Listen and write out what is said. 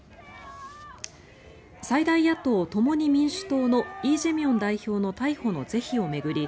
最大野党・共に民主党のイ・ジェミョン代表の逮捕の是非を巡り